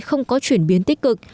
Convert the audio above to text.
không có chuyển biến tích cực